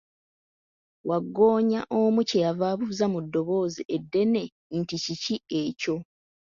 Wagggoonya omu ky'ava abuuza mu ddoboozi eddene nti, Kiki ekyo?